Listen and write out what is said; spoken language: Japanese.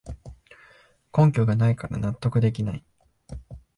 根拠がないから納得できない